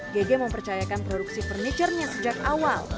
gg mempercayakan produksi furniture nya sejak awal